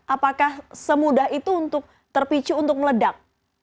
apakah semudah itu untuk terpicu untuk meledak